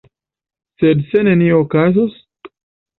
Sed se nenio okazos?